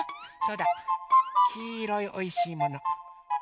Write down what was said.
そうだきいろいおいしいもの。